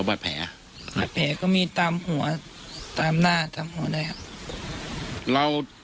บาดแผลก็มีตามงานหัวตามหน้าได้ครับ